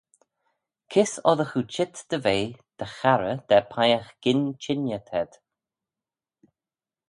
Kys oddagh oo çheet dy ve dty charrey da peiagh gyn çhengey t'ayd?